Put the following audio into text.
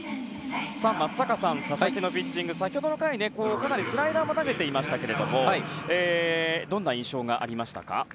松坂さん、佐々木のピッチング先ほどの回はスライダーも投げていましたけどもどんな印象がありましたか？